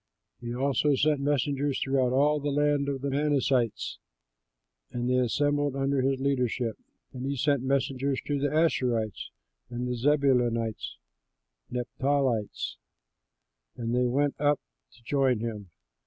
He also sent messengers throughout all the land of the Manassites, and they assembled under his leadership; and he sent messengers to the Asherites, the Zebulunites, and the Naphtalites, and they went up to join him.